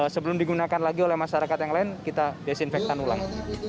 sebelum digunakan lagi oleh masyarakat yang lain kita desinfektan ulang